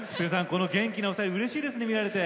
この元気なお二人うれしいですね見られて。